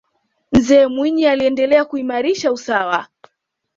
mzee mwinyi aliendelea kuimarisha usawa